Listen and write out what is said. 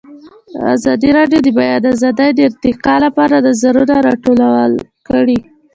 ازادي راډیو د د بیان آزادي د ارتقا لپاره نظرونه راټول کړي.